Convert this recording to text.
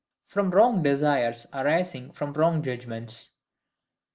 From wrong Desires arising from wrong Judgments.